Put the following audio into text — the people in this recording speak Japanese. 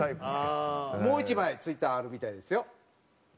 もう１枚ツイッターあるみたいですよ。